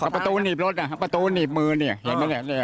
ประตูหนีบรถประตูหนีบมือเห็นไหม